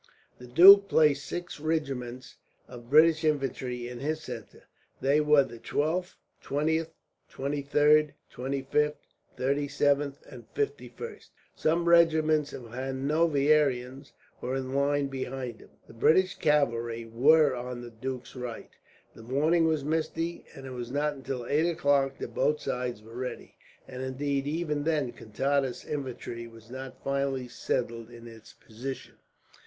The duke placed six regiments of British infantry in his centre. They were the 12th, 20th, 23rd, 25th, 37th and 51st. Some regiments of Hanoverians were in line behind them. The British cavalry were on the duke's right. The morning was misty, and it was not until eight o'clock that both sides were ready, and indeed even then Contades' infantry was not finally settled in its position.